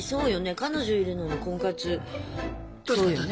彼女いるのに婚活そうよね。